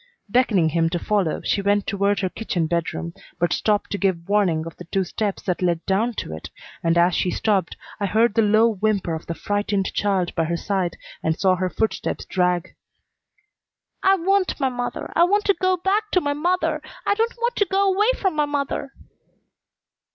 Beckoning him to follow, she went toward her kitchen bedroom, but stopped to give warning of the two steps that led down to it, and as she stopped I heard the low whimper of the frightened child by her side and saw her footsteps drag. "I want my mother! I want to go back to my mother! I don't want to go 'way from my mother!"